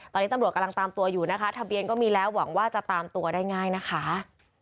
ตอนนี้ตำรวจกำลังตามตัวอยู่นะคะทะเบียนก็มีแล้วหวังว่าจะตามตัวได้ง่ายนะคะ